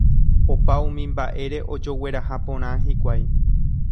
Opa umi mba'ére ojogueraha porã hikuái.